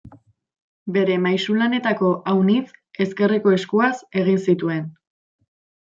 Bere maisulanetako aunitz ezkerreko eskuaz egin zituen.